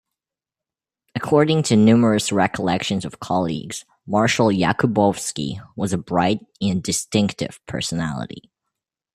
According to numerous recollections of colleagues, Marshal Yakubovsky was a bright and distinctive personality.